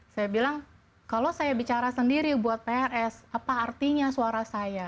saya bilang kalau saya bicara sendiri buat prs apa artinya suara saya